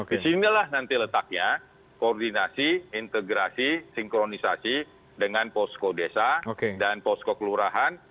disinilah nanti letaknya koordinasi integrasi sinkronisasi dengan posko desa dan posko kelurahan